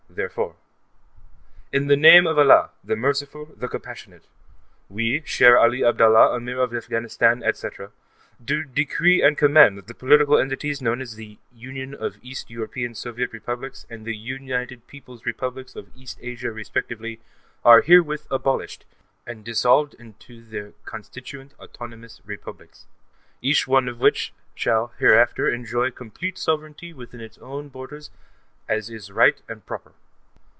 Therefore: _In the name of ALLAH, the Merciful, the Compassionate: We, Shere Ali Abdallah, Ameer of Afghanistan, etc., do decree and command that the political entities known as the Union of East European Soviet Republics and the United Peoples' Republics of East Asia respectively are herewith abolished and dissolved into their constituent autonomous republics, each one of which shall hereafter enjoy complete sovereignty within its own borders as is right and proper.